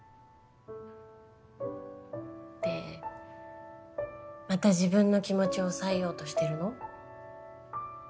ってまた自分の気持ち抑えようとしてるの？